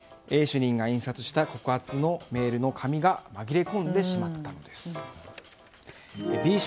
このＢ主任の資料にＡ主任が印刷した告発のメールの紙が紛れ込んでしまったのです。